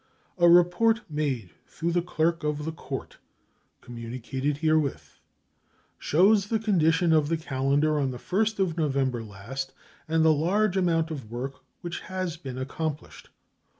A report made through the clerk of the court (communicated herewith) shows the condition of the calendar on the 1st of November last and the large amount of work which has been accomplished.